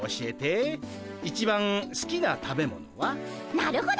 なるほど。